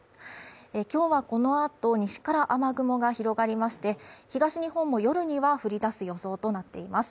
今日はこのあと西から雨雲が広がりまして、東日本も夜には降りだす予想となっています。